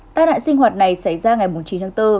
tai nạn sinh hoạt này xảy ra ngày chín tháng bốn